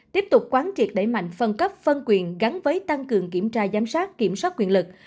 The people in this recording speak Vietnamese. tiếp tục quán triệt đẩy mạnh phân cấp phân quyền gắn với tăng cường kiểm tra giám sát kiểm soát quyền lực